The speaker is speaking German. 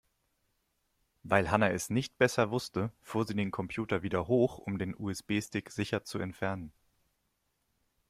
Weil Hanna es nicht besser wusste, fuhr sie den Computer wieder hoch, um den USB-Stick sicher zu entfernen.